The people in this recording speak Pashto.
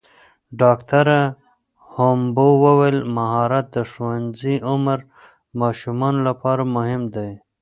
ډاکټره هومبو وویل مهارت د ښوونځي عمر ماشومانو لپاره مهم دی.